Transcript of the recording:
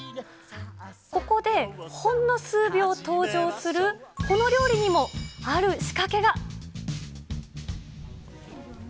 ここで、ほんの数秒登場するこの料理にも、ある仕掛けが。